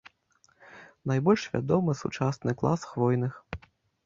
Найбольш вядомы сучасны клас хвойных.